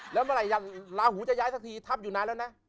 แล้วเมื่อไหร่ลาหูจะย้ายสักทีทับอยู่นานแล้วนะ